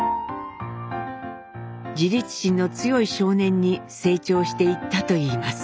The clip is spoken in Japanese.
自立心の強い少年に成長していったといいます。